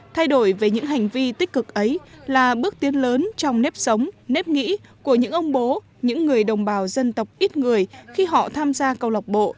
thay đổi về những hành vi tích cực ấy là bước tiến lớn trong nếp sống nếp nghĩ của những ông bố những người đồng bào dân tộc ít người khi họ tham gia câu lọc bộ